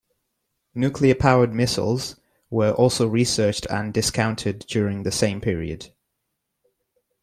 Nuclear-powered missiles were also researched and discounted during the same period.